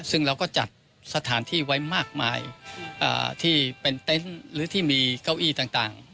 ซึ่งเราก็จัดสถานที่ไว้มากมายที่เป็นเต็นต์หรือที่มีเก้าอี้ต่าง